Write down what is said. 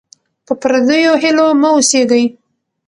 په پردیو هیلو مه اوسېږئ.